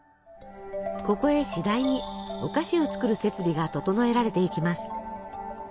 ここへしだいにお菓子を作る設備が整えられていきます。